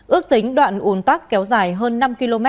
ước tính đoạn ủn tắc kéo dài hơn năm km